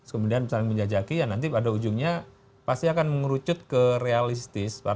kemudian saling menjajaki ya nanti pada ujungnya pasti akan mengerucut ke realistis